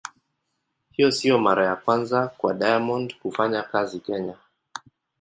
Hii sio mara ya kwanza kwa Diamond kufanya kazi Kenya.